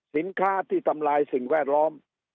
สินค้าที่ทำลายสิ่งแวดล้อม